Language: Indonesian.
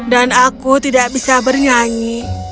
dan aku tidak bisa bernyanyi